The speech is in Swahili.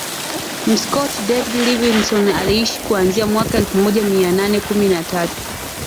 Mskoti David Livingstone aliishi kuanzia mwaka elfu moja mia nane kumi na tatu